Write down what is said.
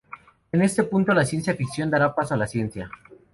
En este punto la ciencia ficción dará paso a la ciencia.